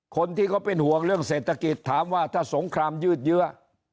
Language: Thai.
คนที่เขาเป็นห่วงเรื่องเศรษฐกิจถามว่าถ้าสงครามยืดเยื้อ